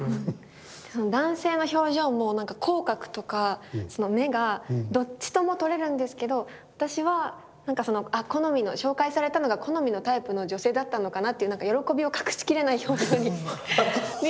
その男性の表情も口角とか目がどっちとも取れるんですけど私は紹介されたのが好みのタイプの女性だったのかなって喜びを隠しきれない表情に見えたので。